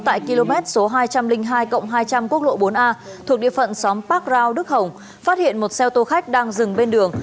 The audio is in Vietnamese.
tại km số hai trăm linh hai hai trăm linh quốc lộ bốn a thuộc địa phận xóm park dao đức hồng phát hiện một xe ô tô khách đang dừng bên đường